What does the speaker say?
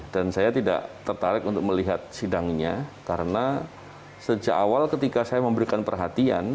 dan saya tidak tertarik untuk melihat sidangnya karena sejak awal ketika saya memberikan perhatian